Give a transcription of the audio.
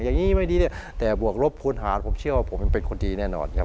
อย่างนี้ไม่ดีแต่บวกรบพูดหาของผมเชื่อว่า